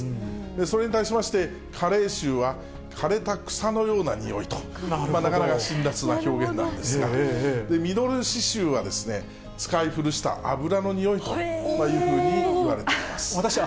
それに対しまして、加齢臭は、枯れた草のようなにおいと、なかなか辛らつな表現なんですが、ミドル脂臭はですね、使い古した油のにおいというふうにいわれています。